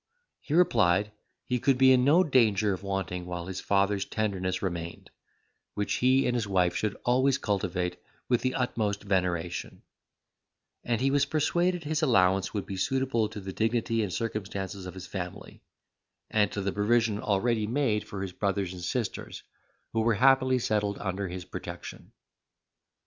He replied, he could be in no danger of wanting while his father's tenderness remained, which he and his wife should always cultivate with the utmost veneration; and he was persuaded his allowance would be suitable to the dignity and circumstances of his family, and to the provision already made for his brothers and sisters, who were happily settled under his protection.